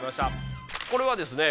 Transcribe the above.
これはですね